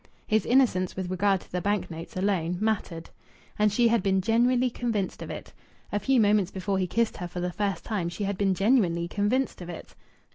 His innocence with regard to the bank notes alone mattered. And she had been genuinely convinced of it. A few moments before he kissed her for the first time, she had been genuinely convinced of it.